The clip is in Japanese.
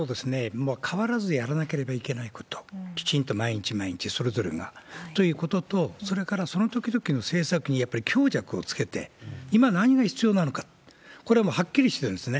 もう変わらずやらなきゃいけないこと、きちんと毎日毎日、それぞれが、ということと、それから、そのときどきの政策にやっぱり強弱をつけて、今何が必要なのか、これははっきりしてるんですね。